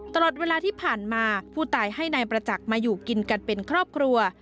ตลอดเวลาที่ผ่านมาผู้ตายให้นายประจักษ์มาอยู่กินกันเป็นครอบครัว